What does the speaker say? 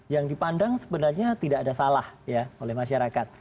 yang dipandang sebenarnya tidak ada salah oleh masyarakat